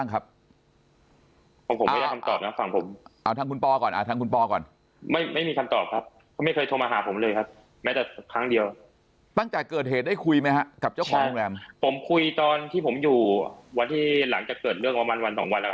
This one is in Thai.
ขอคุยขอเคลียร์กับเขาแล้ว